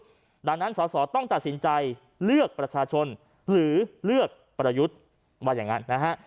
ผลเอกประยุทธ์ดังนั้นสต้องตัดสินใจเลือกประชาชนหรือเลือกปรยุทธ์ว่าอย่างนั้นนะฮะ